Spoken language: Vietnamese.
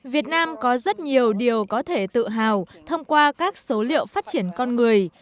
việt nam có rất nhiều điều có thể tự hào thông qua các số liệu phát triển con người